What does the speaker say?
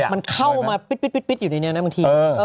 มันเข้ามาปิ๊ดอยู่ในนี้นะบางที